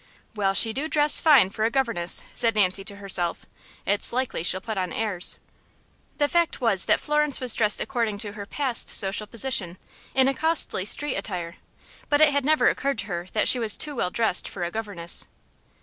"Well, she do dress fine for a governess," said Nancy to herself. "It's likely she'll put on airs." The fact was that Florence was dressed according to her past social position in a costly street attire but it had never occurred to her that she was too well dressed for a governess.